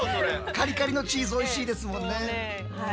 カリカリのチーズおいしいですもんね。